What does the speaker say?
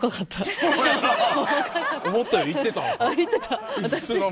それは、思ってたよりいってた？